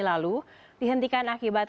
lalu dihentikan akibat